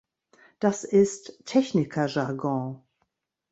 Das ist „Techniker-Jargon“.